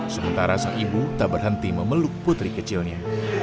sementara seibu tak berhenti memeluk putri kecilnya